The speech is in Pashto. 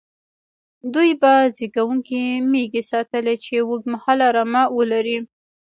دوی به زېږوونکې مېږې ساتلې، چې اوږد مهاله رمه ولري.